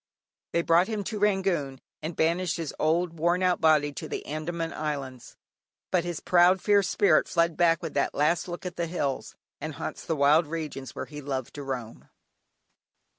They brought him to Rangoon and banished his old, worn out body to the Andaman Islands, but his proud, fierce spirit fled back with that last look at the hills, and haunts the wild regions where he loved to roam.